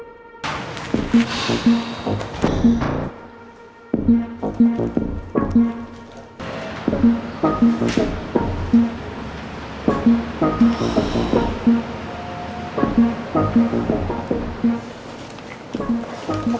yumi ternyata harus lihat